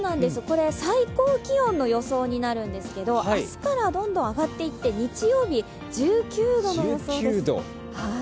最高気温の予想になるんですけど明日からどんどん上がっていって、日曜日は１９度の予想です。